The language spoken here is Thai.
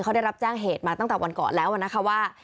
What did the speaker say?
เขาได้รับแจ้งเหตุมาตั้งแต่วันก่อนแล้วนะคะว่า